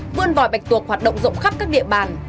nguồn vòi bạch tuộc hoạt động rộng khắp các địa bàn